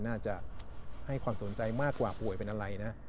น่าจะให้ความสนใจมากกว่าป่วยเป็นอะไรนะ